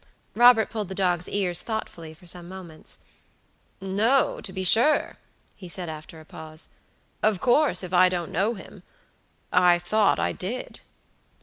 Robert pulled the dog's ears thoughtfully for some moments. "No, to be sure," he said, after a pause. "Of course, if I don't know himI thought I did."